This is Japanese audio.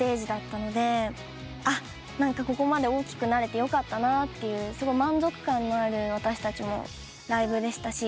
何かここまで大きくなれてよかったなっていう満足感のある私たちもライブでしたし。